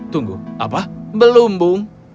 tunggu apa belum bung